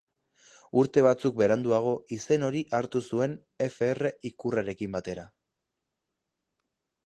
Urte batzuk beranduago, izen hori hartu zuen, Fr ikurrarekin batera.